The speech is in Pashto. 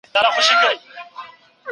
ما د سبا لپاره د نوټونو يادونه کړې ده.